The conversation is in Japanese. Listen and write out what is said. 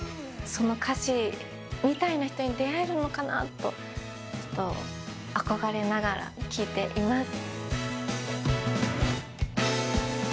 その歌詞みたいな人に出会えるのかなと憧れながら聴いています。